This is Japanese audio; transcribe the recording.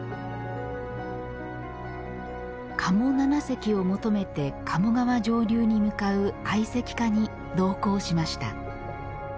加茂七石を求めて鴨川上流に向かう愛石家に同行しました。